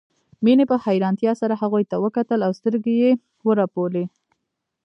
مينې په حيرانتيا سره هغوی ته وکتل او سترګې يې ورپولې